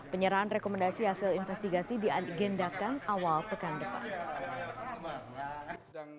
penyerahan rekomendasi hasil investigasi diagendakan awal pekan depan